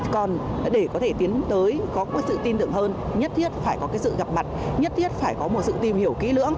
còn để có thể tiến tới có sự tin tưởng hơn nhất thiết phải có cái sự gặp mặt nhất thiết phải có một sự tìm hiểu kỹ lưỡng